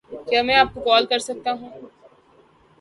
کیا میں آپ کو کال کر سکتا ہوں